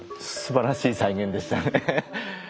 すばらしい再現でしたね。